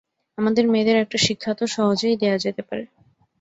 আমাদের মেয়েদের একটা শিক্ষা তো সহজেই দেওয়া যেতে পারে।